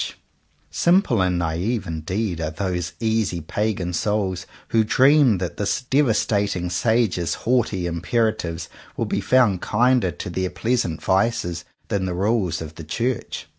120 JOHN COWPER POWYS Simple and naive indeed are those easy pagan souls who dream that this devastat ing sage's haughty imperatives will be found kinder to their pleasant vices than the rules of the Church.